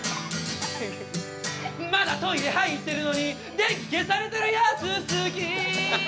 まだトイレ入ってるのに電気消されてるやつ好き